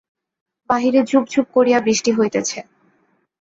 বাহিরে ঝুপ ঝুপ করিয়া বৃষ্টি হইতেছে।